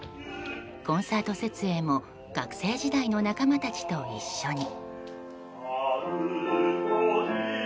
コンサート設営も学生時代の仲間たちと一緒に。